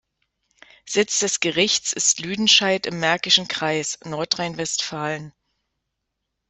Sitz des Gerichts ist Lüdenscheid im Märkischen Kreis, Nordrhein-Westfalen.